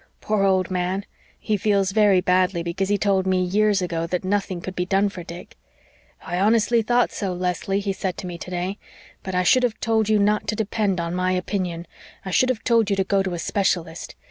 Poor old man, he feels very badly because he told me years ago that nothing could be done for Dick. 'I honestly thought so, Leslie,' he said to me today. 'But I should have told you not to depend on my opinion I should have told you to go to a specialist.